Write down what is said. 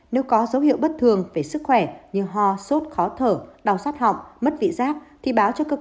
nếu có dấu hiệu bất thường về sức khỏe như ho sốt khó thở đau sát họng mất vị giác